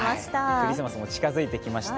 クリスマスも近づいてきました。